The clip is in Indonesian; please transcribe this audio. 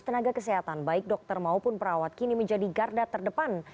tenaga kesehatan baik dokter maupun perawat kini menjadi garda terdepan